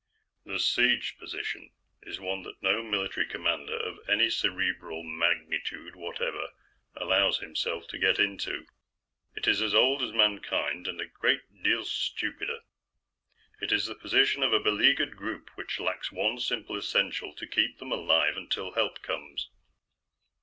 "The Siege Position is one that no military commander of any cerebral magnitude whatever allows himself to get into. It is as old as Mankind, and a great deal stupider. It is the position of a beleaguered group which lacks one simple essential to keep them alive until help comes.